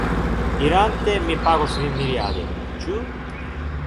Irante, mi pagos vin miriade. Ĉu?